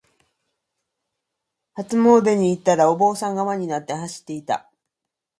初詣に行ったら、お坊さんが輪になって走っていた。